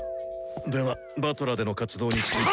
では師団での活動について。